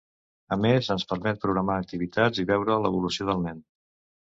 A més, ens permet programar activitats i veure l’evolució del nen.